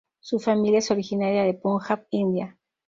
Su familia es originaria de Punjab, India.